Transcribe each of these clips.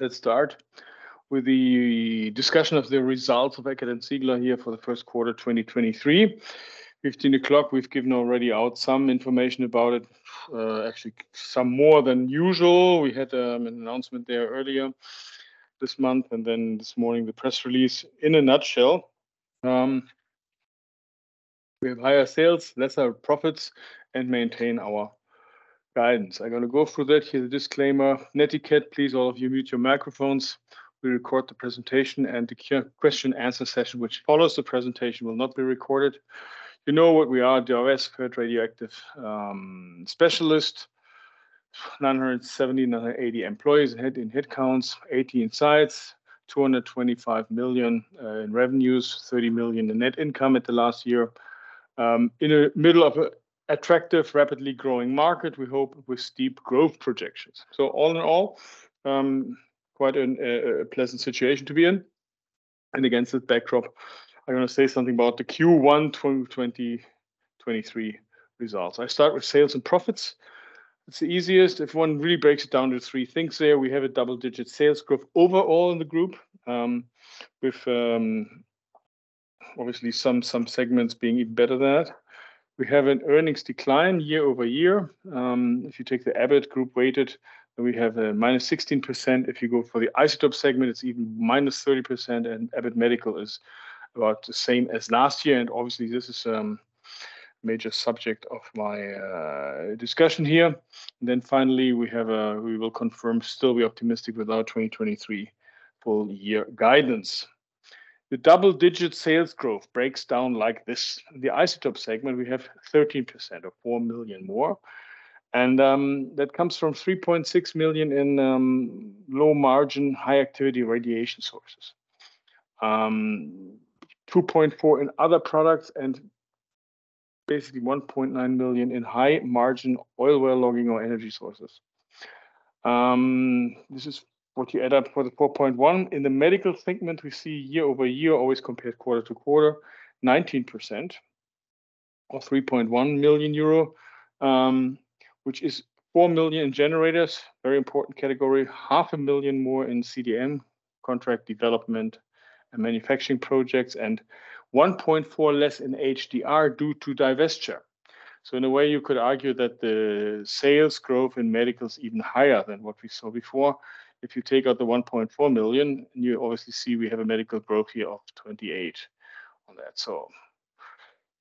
Let's start with the discussion of the results of Eckert & Ziegler here for the first quarter 2023. 3:00 P.M., we've given already out some information about it, actually some more than usual. We had an announcement there earlier this month, this morning the press release. In a nutshell, we have higher sales, lesser profits, and maintain our guidance. I'm gonna go through that. Here's a disclaimer. Netiquette. Please, all of you, mute your microphones. We record the presentation and the question-answer session which follows the presentation will not be recorded. You know what we are, the OS radioactive specialist. 970, 980 employees in head counts. 18 sites. 225 million in revenues. 30 million in net income at the last year. In the middle of an attractive, rapidly growing market, we hope with steep growth projections. All in all, quite a pleasant situation to be in. Against this backdrop, I'm gonna say something about the Q1 2023 results. I start with sales and profits. It's the easiest. If one really breaks it down to three things there, we have a double-digit sales growth overall in the group, with obviously some segments being even better than that. We have an earnings decline year-over-year. If you take the Abbott Group weighted, we have a -16%. If you go for the isotope segment, it's even -30%, and Abbott Medical is about the same as last year, and obviously this is major subject of my discussion here. Finally, we will confirm still we optimistic with our 2023 full year guidance. The double-digit sales growth breaks down like this. The isotope segment, we have 13% or 4 million more, and that comes from 3.6 million in low margin, high activity radiation sources. 2.4 million in other products and basically 1.9 million in high margin oil well logging or energy sources. This is what you add up for the 4.1 million. In the medical segment, we see year-over-year, always compared quarter-to-quarter, 19% or 3.1 million euro, which is 4 million in generators, very important category. Half a million more in CDMO, contract development and manufacturing projects, and 1.4 million less in HDR due to divesture. In a way, you could argue that the sales growth in medical is even higher than what we saw before. If you take out the 1.4 million, and you obviously see we have a medical growth here of 28% on that.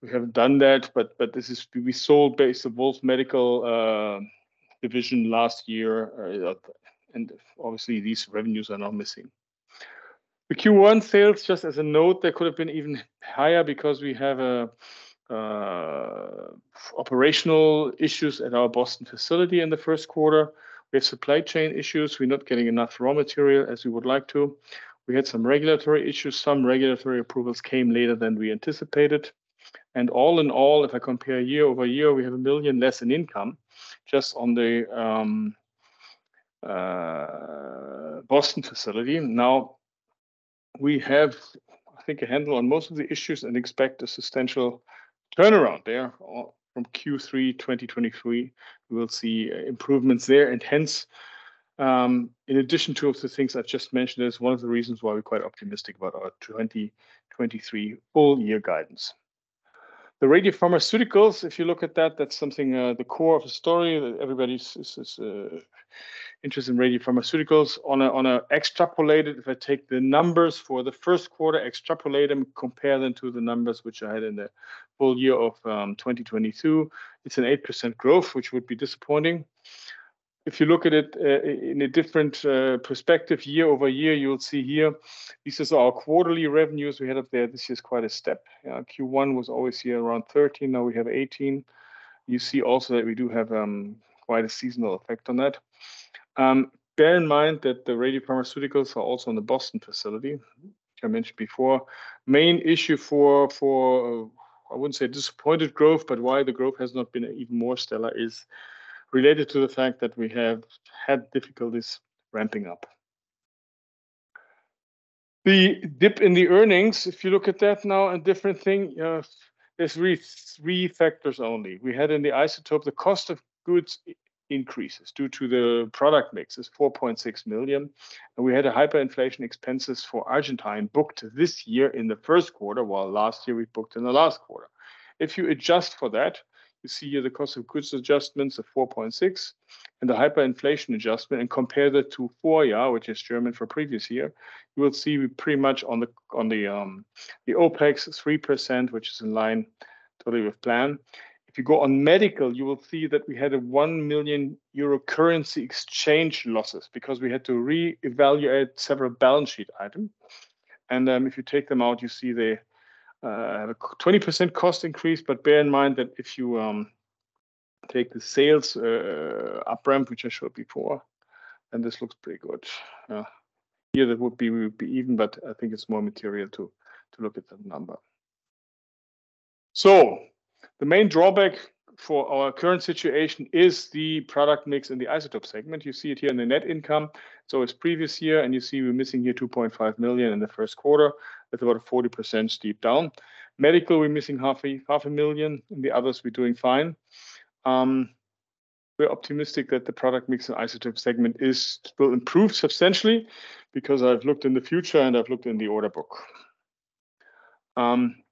We haven't done that, but this is we sold basically both medical division last year, and obviously these revenues are now missing. The Q1 sales, just as a note, they could have been even higher because we have operational issues at our Boston facility in the first quarter. We have supply chain issues. We're not getting enough raw material as we would like to. We had some regulatory issues. Some regulatory approvals came later than we anticipated. All in all, if I compare year-over-year, we have 1 million less in income just on the Boston facility. Now, we have, I think, a handle on most of the issues and expect a substantial turnaround there. From Q3 2023, we will see improvements there. Hence, in addition to of the things I've just mentioned, is one of the reasons why we're quite optimistic about our 2023 full year guidance. The radiopharmaceuticals, if you look at that's something, the core of the story. Everybody's interested in radiopharmaceuticals. On a, on a extrapolated, if I take the numbers for the first quarter, extrapolate them, compare them to the numbers which I had in the full year of 2022, it's an 8% growth, which would be disappointing. If you look at it in a different perspective, year-over-year, you'll see here, this is our quarterly revenues we had up there. This is quite a step. Q1 was always here around 13, now we have 18. You see also that we do have quite a seasonal effect on that. Bear in mind that the radiopharmaceuticals are also in the Boston facility, which I mentioned before. Main issue for I wouldn't say disappointed growth, but why the growth has not been even more stellar is related to the fact that we have had difficulties ramping up. The dip in the earnings, if you look at that now, a different thing, is three factors only. We had in the isotope, the cost of goods increases due to the product mix is 4.6 million. We had a hyperinflation expenses for Argentina booked this year in the 1st quarter, while last year we booked in the last quarter. If you adjust for that, you see here the cost of goods adjustments of 4.6 and the hyperinflation adjustment, and compare that to Vorjahr, which is German for previous year, you will see we're pretty much on the OPEX 3%, which is in line totally with plan. If you go on medical, you will see that we had a 1 million euro currency exchange losses because we had to reevaluate several balance sheet items. If you take them out, you see they have a 20% cost increase. Bear in mind that if you take the sales up ramp, which I showed before, this looks pretty good. Here that would be even, I think it's more material to look at that number. The main drawback for our current situation is the product mix in the isotope segment. You see it here in the net income. It's previous year, you see we're missing here 2.5 million in the first quarter. That's about a 40% steep down. Medical, we're missing half a million EUR. In the others, we're doing fine. We're optimistic that the product mix in isotope segment will improve substantially because I've looked in the future, I've looked in the order book.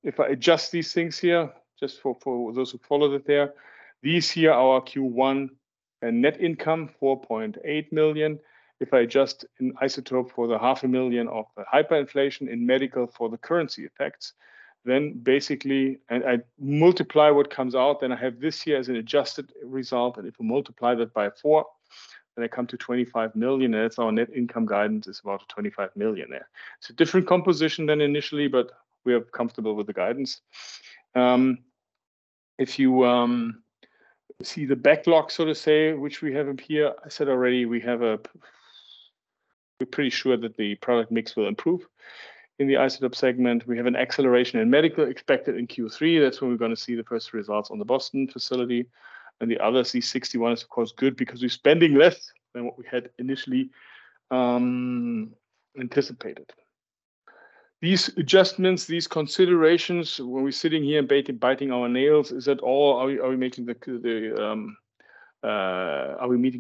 If I adjust these things here, just for those who followed it there. These here are our Q1 net income, 4.8 million. If I adjust an isotope for the half a million of the hyperinflation in medical for the currency effects, then basically... I multiply what comes out, then I have this year as an adjusted result. If we multiply that by four, then I come to 25 million. That's our net income guidance is about 25 million there. It's a different composition than initially, we are comfortable with the guidance. If you see the backlog, so to say, which we have up here. I said already, we're pretty sure that the product mix will improve. In the isotope segment, we have an acceleration in medical expected in Q3. That's when we're gonna see the first results on the Boston facility. The other C-61 is of course good because we're spending less than what we had initially anticipated. These adjustments, these considerations, when we're sitting here and biting our nails, is that all? Are we meeting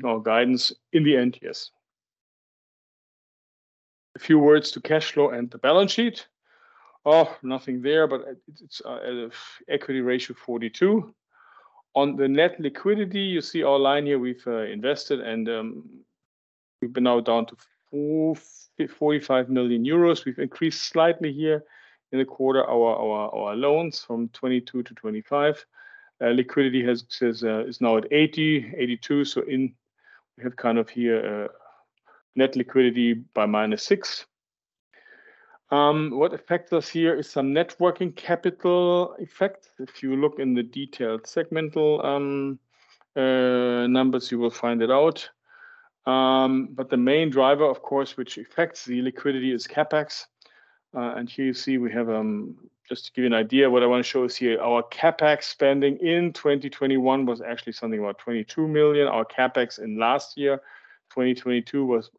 our guidance? In the end, yes. A few words to cash flow and the balance sheet. Nothing there, but it's equity ratio 42%. On the net liquidity, you see our line here, we've invested, and we've been now down to 45 million euros. We've increased slightly here in the quarter our loans from 22 million to 25 million. Liquidity is now at 80 million, 82 million. We have kind of here net liquidity by minus 6 million. What affects us here is some networking capital effect. If you look in the detailed segmental numbers, you will find it out. The main driver, of course, which affects the liquidity is CapEx. Here you see we have. Just to give you an idea, what I wanna show is here our CapEx spending in 2021 was actually something about 22 million. Our CapEx in last year, 2022, was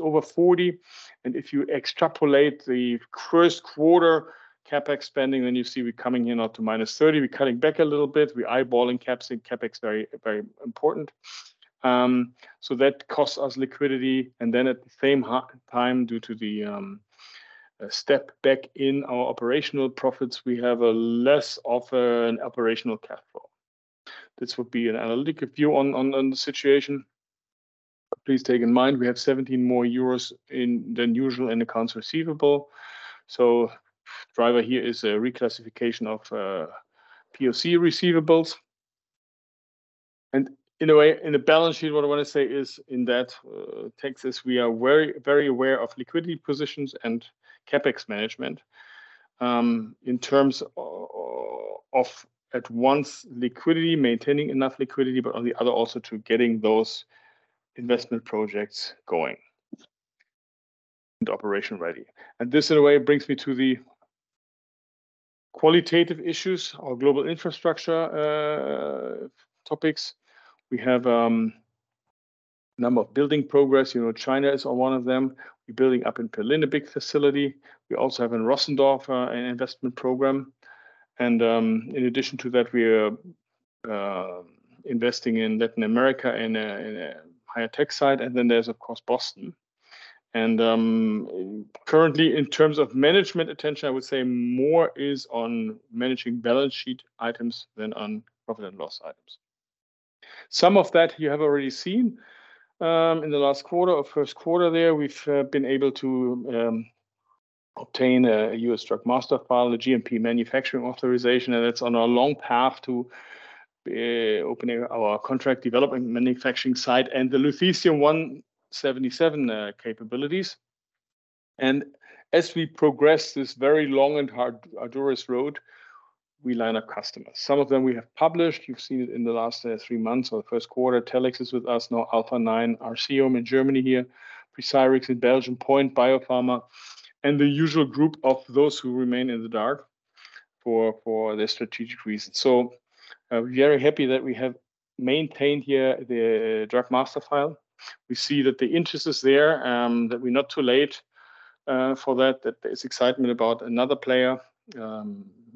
over 40 million. If you extrapolate the first quarter CapEx spending, then you see we're coming here now to minus 30 million. We're cutting back a little bit. We're eyeballing CapEx. CapEx very, very important. That costs us liquidity. At the same time, due to the step back in our operational profits, we have a less of an operational capital. This would be an analytic view on the situation. Please take in mind, we have 17 more EUR than usual in accounts receivable. Driver here is a reclassification of POC receivables. In a way, in the balance sheet, what I wanna say is in that, take this, we are very, very aware of liquidity positions and CapEx management, in terms of at once liquidity, maintaining enough liquidity, but on the other also to getting those investment projects going and operation ready. This, in a way, brings me to the qualitative issues or global infrastructure topics. We have number of building progress. You know, China is on one of them. We're building up in Berlin, a big facility. We also have in Rossendorf an investment program. In addition to that, we're investing in Latin America in a higher tech site. Then there's, of course, Boston. Currently, in terms of management attention, I would say more is on managing balance sheet items than on profit and loss items. Some of that you have already seen in the last quarter or first quarter there. We've been able to obtain a U.S. Drug Master File, a GMP manufacturing authorization, and that's on our long path to opening our contract development manufacturing site and the Lutetium-177 capabilities. As we progress this very long and hard, arduous road, we line up customers. Some of them we have published. You've seen it in the last three months or the first quarter. Telix is with us now, Alpha Nine, RCM in Germany here, Precirix in Belgium, POINT Biopharma, and the usual group of those who remain in the dark for their strategic reasons. We're very happy that we have maintained here the Drug Master File. We see that the interest is there, that we're not too late for that there's excitement about another player,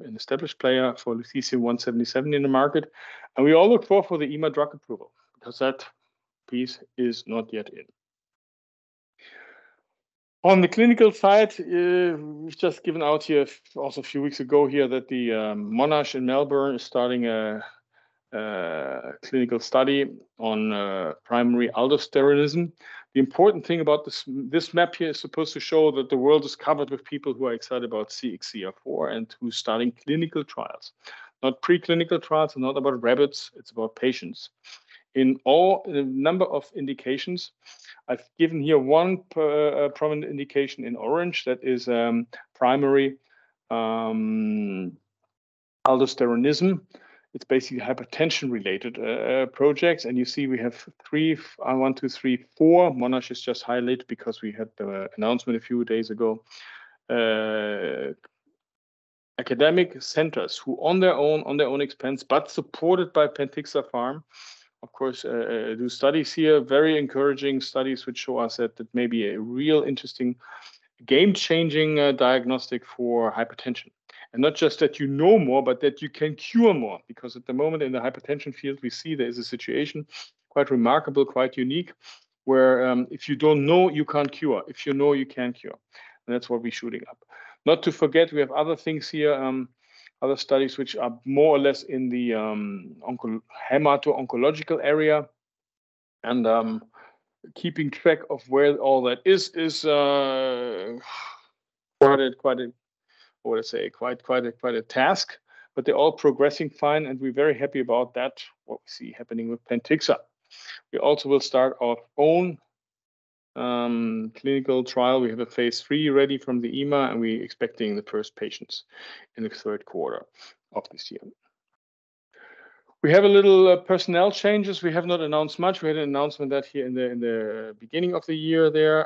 an established player for Lutetium-177 in the market. We all look for the EMA drug approval because that piece is not yet in. On the clinical side, we've just given out here also a few weeks ago here that the Monash in Melbourne is starting a clinical study on primary aldosteronism. The important thing about this map here is supposed to show that the world is covered with people who are excited about CXCR4 and who are starting clinical trials. Not preclinical trials and not about rabbits, it's about patients. In a number of indications, I've given here one prominent indication in orange that is primary aldosteronism. It's basically hypertension-related projects. You see we have three, one, two, three, four Monash is just highlighted because we had the announcement a few days ago. Academic centers who on their own, on their own expense, but supported by PentixaPharm, of course, do studies here. Very encouraging studies which show us that that may be a real interesting game-changing diagnostic for hypertension. Not just that you know more, but that you can cure more, because at the moment in the hypertension field, we see there is a situation quite remarkable, quite unique, where if you don't know, you can't cure. If you know, you can cure. That's what we're shooting up. Not to forget, we have other things here, other studies which are more or less in the hemato-oncological area and keeping track of where all that is quite a task, but they're all progressing fine and we're very happy about that, what we see happening with PentixaPharm. We also will start our own clinical trial. We have a phase III ready from the EMA, and we expecting the first patients in the third quarter of this year. We have a little personnel changes. We have not announced much. We had an announcement that here in the, in the beginning of the year there,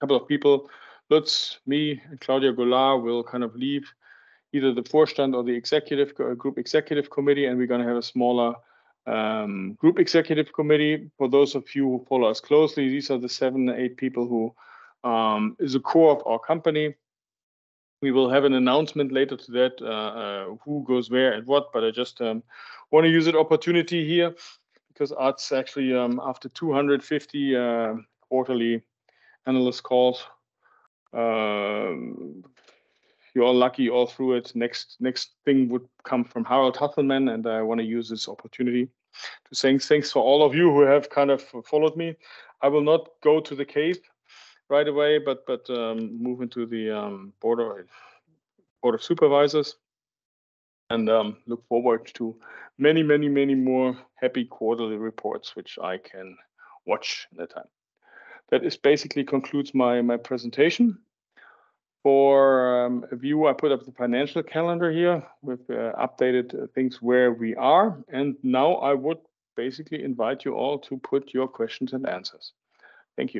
couple of people, Lutz, me and Claudia Goulart will kind of leave either the Vorstand or the executive group executive committee, and we're gonna have a smaller group executive committee. For those of you who follow us closely, these are the seven or eight people who, is the core of our company. We will have an announcement later to that, who goes where and what. I just wanna use the opportunity here 'cause Art's actually after 250 quarterly analyst calls, you are lucky all through it. Next thing would come from Harald Hasselmann. I wanna use this opportunity to say thanks for all of you who have kind of followed me. I will not go to the cave right away, but, moving to the board of supervisors and look forward to many more happy quarterly reports which I can watch in that time. That is basically concludes my presentation. For a view, I put up the financial calendar here. We've updated things where we are. Now I would basically invite you all to put your questions and answers. Thank you.